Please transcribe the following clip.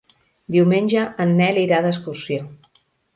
Diumenge en Nel irà d'excursió.